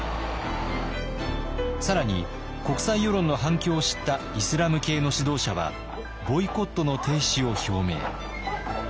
更に国際世論の反響を知ったイスラム系の指導者はボイコットの停止を表明。